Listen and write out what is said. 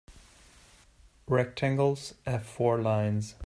Rectangles have four lines.